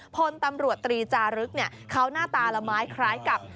พลตำรวจตรีจารึกเขาหน้าตาละไม้คล้ายกับ